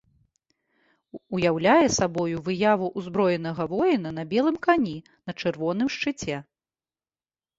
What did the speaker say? Уяўляе сабою выяву ўзброенага воіна на белым кані на чырвоным шчыце.